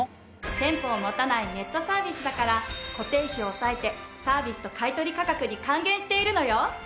店舗を持たないネットサービスだから固定費を抑えてサービスと買い取り価格に還元しているのよ。